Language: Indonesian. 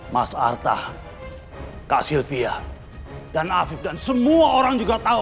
mas artah kak sylvia dan afif dan semua orang juga tahu